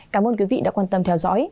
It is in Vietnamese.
cảm ơn quý vị đã quan tâm theo dõi